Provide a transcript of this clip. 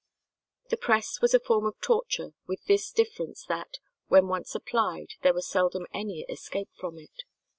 The press was a form of torture with this difference that, when once applied, there was seldom any escape from it.